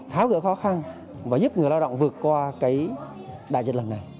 tháo gỡ khó khăn và giúp người lao động vượt qua cái đại dịch lần này